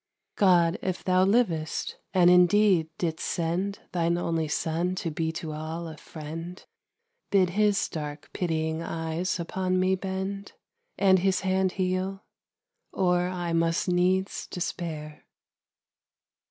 _ God, if Thou livest, and indeed didst send Thine only Son to be to all a Friend, Bid His dark, pitying eyes upon me bend, And His hand heal, or I must needs despair.